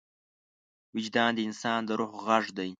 وجدان د انسان د روح غږ دی.